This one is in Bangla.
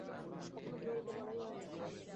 এখনো বিহারীকে বলাই হয় নাই।